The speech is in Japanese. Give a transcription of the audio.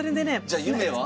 じゃあ夢は？